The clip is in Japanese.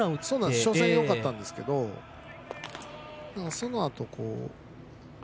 初戦はよかったんですけれど、そのあと。